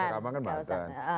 di nusa kambangan bahkan